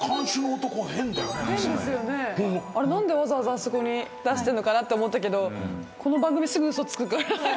何でわざわざあそこに出してんのかなと思ったけどこの番組すぐ嘘つくから。